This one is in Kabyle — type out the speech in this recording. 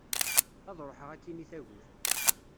Ad ruḥeγ akin i tagut.